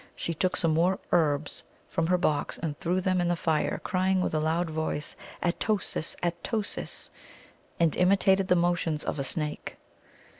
She took some more herbs from her box and threw them in the fire, crying with a loud voice, " At o sis ! At o sis! " and imitated the motions of a snake.